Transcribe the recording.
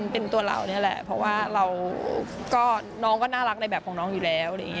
เป็นตัวเรานี่แหละเพราะว่าเราก็น้องก็น่ารักในแบบของน้องอยู่แล้ว